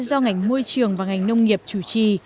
do ngành môi trường và ngành nông nghiệp chủ trì